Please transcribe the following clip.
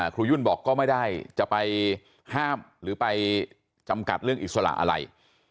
ยุ่นบอกก็ไม่ได้จะไปห้ามหรือไปจำกัดเรื่องอิสระอะไร